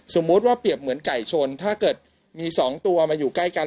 สมมุติว่าเปรียบเหมือนไก่ชนถ้าเกิดมี๒ตัวมาอยู่ใกล้กัน